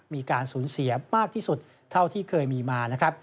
มีการสูญเสียมากที่สุดเท่าที่เคยมีมานะครับ